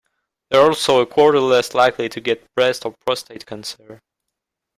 They're also a quarter less likely to get breast or prostate cancer.